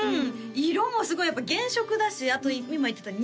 色もすごいやっぱ原色だしあと今言ってた